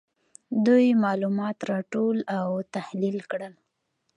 دوی معلومات راټول او تحلیل کړل.